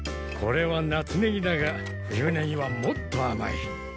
これは夏ネギだが冬ネギはもっと甘い。